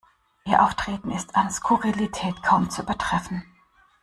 Ihr Auftreten ist an Skurrilität kaum zu übertreffen.